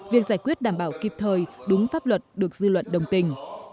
việc giải quyết đảm bảo kịp thời đúng pháp luật được dư luận đồng tình